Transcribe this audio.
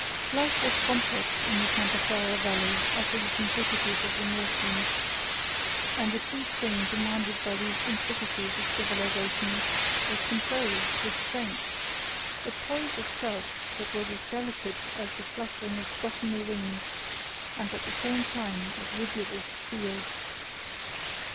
Life was complex in the Santa Clara Valley after the simplicities of the Northland. And the chief thing demanded by these intricacies of civilisation was control, restraint—a poise of self that was as delicate as the fluttering of gossamer wings and at the same time as rigid as steel.